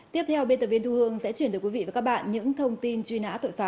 tiếp theo biên tập viên thu hương sẽ chuyển tới quý vị và các bạn những thông tin truy nã tội phạm